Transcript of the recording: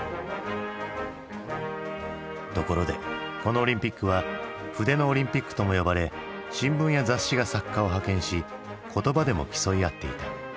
ところでこのオリンピックは「筆のオリンピック」とも呼ばれ新聞や雑誌が作家を派遣し言葉でも競い合っていた。